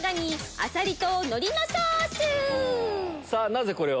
なぜこれを？